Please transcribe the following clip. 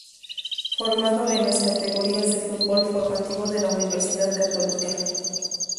Formado en las categorías del Fútbol Formativo de la Universidad Católica.